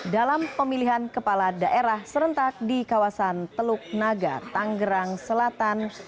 dalam pemilihan kepala daerah serentak di kawasan teluk naga tanggerang selatan